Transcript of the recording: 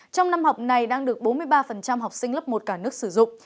trong năm học này đang được bốn mươi ba học sinh lớp một cả nước sử dụng